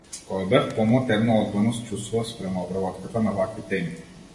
Кога бев помлад една одбојност чувствував спрема обработката на вакви теми.